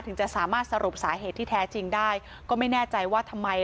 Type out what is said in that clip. จะสามารถสรุปสาเหตุที่แท้จริงได้ก็ไม่แน่ใจว่าทำไม